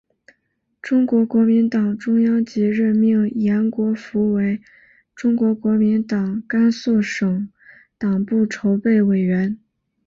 中国国民党中央即任命延国符为中国国民党甘肃省党部筹备委员。